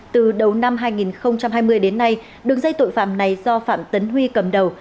từ đầu năm hai nghìn hai mươi đến nay đường dây tội phạm này do phạm tấn huy cầm đầu